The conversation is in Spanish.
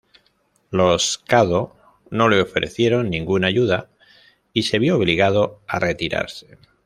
Los caddo no le ofrecieron ninguna ayuda y se vio obligado a retirarse.